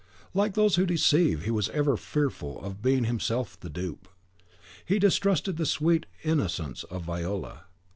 Like those who deceive, he was ever fearful of being himself the dupe. He distrusted the sweet innocence of Viola.